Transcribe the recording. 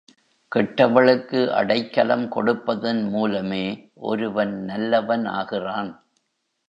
கெட்டவளுக்கு அடைக்கலம் கொடுப்பதன் மூலமே ஒருவன் நல்லவன் ஆகிறான்.